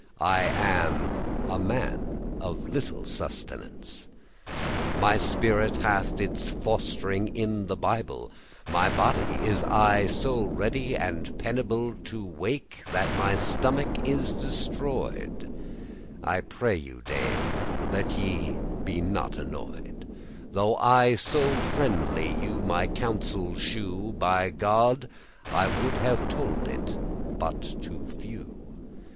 I am a man of little sustenance. My spirit hath its fost'ring in the Bible. My body is aye so ready and penible* *painstaking To wake,* that my stomach is destroy'd. *watch I pray you, Dame, that ye be not annoy'd, Though I so friendly you my counsel shew; By God, I would have told it but to few."